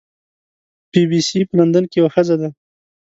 بی بي سي په لندن کې یوه ښځه ده.